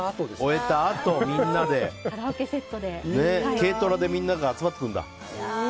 軽トラでみんなが集まってくるんだ。